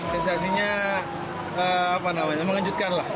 sensasinya mengejutkan lah